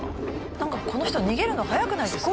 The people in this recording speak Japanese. なんかこの人逃げるの早くないですか？